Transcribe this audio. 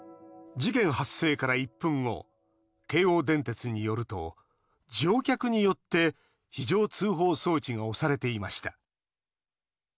事件発生から１分後京王電鉄によると乗客によって非常通報装置が押されていました。